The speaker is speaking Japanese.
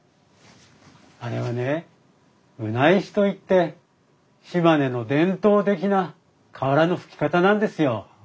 あれはね棟石といって島根の伝統的な瓦の葺き方なんですよ。